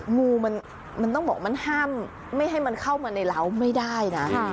งูมันต้องบอกมันห้ามไม่ให้มันเข้ามาในร้าวไม่ได้นะ